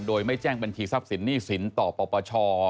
โดยไม่แจ้งบัญชีทรัพย์สินหนี้สินต่อปปช